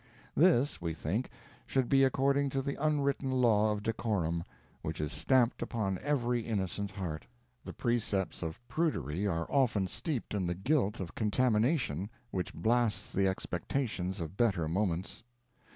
This, we think, should be according to the unwritten law of decorum, which is stamped upon every innocent heart. The precepts of prudery are often steeped in the guilt of contamination, which blasts the expectations of better moments.